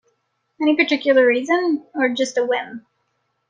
Any particular reason, or just a whim?